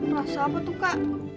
rasa apa tuh kak